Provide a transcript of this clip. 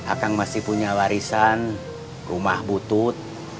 akan masih punya warisan rumah butut